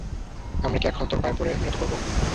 আমরা কী এখন তোর পায়ে পড়ে মিনতি করব?